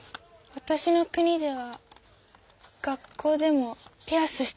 わたしの国では学校でもピアスしてます。